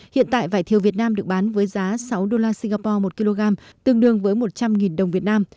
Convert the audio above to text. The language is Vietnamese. hiện tại vải thiều việt nam được bán với giá sáu đô la singapore một kg tương đương với một trăm linh đồng việt nam